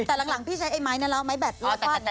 แต่หลังพี่ใช้ไอ้ไม้นะไม้แบตเรื่องภาพ